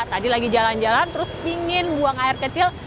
tadi lagi jalan jalan terus ingin buang air kecil